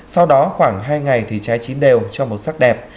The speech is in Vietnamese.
sau đó khoảng hai ngày thì trái chín đều cho màu sắc đẹp